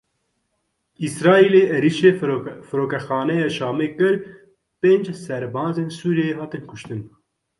Îsraîlê êrişî Firokexaneya Şamê kir pênc serbazên Sûriyeyê hatin kuştin.